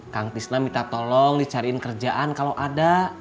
kang tisna minta tolong dicariin kerjaan kalau ada